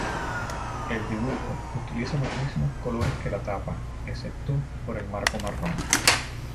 El dibujo utiliza los mismo colores que la tapa, excepto por el marco marrón.